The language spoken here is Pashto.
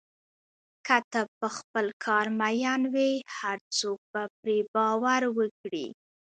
که ته په خپل کار مین وې، هر څوک به پرې باور وکړي.